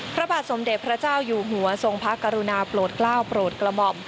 พระบาทสมเด็จพระเจ้าอยู่หัวทรงพระกรุณาโปรดกล้าวโปรดกระหม่อม